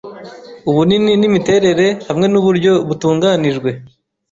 ubunini nimiterere hamwe nuburyo butunganijwe